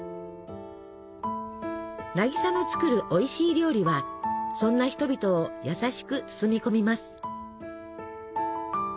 渚の作るおいしい料理はそんな人々を優しく包み込みます。